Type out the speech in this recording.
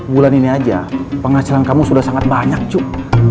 bulan ini aja penghasilan kamu sudah sangat banyak cuk